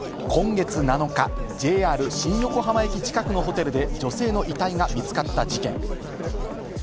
今月７日、ＪＲ新横浜駅近くのホテルで女性の遺体が見つかった事件。